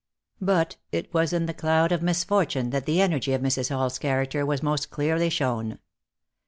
But it was in the cloud of misfortune that the energy of Mrs. Hull's character was most clearly shown.